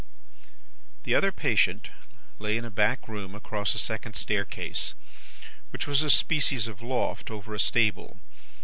"The other patient lay in a back room across a second staircase, which was a species of loft over a stable.